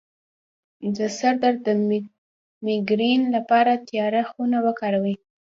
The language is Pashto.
د سر درد د میګرین لپاره تیاره خونه وکاروئ